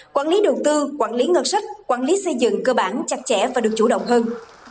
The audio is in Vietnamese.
quản lý đầu tư quản lý ngân sách quản lý xây dựng cơ bản chặt chẽ và được chủ động hơn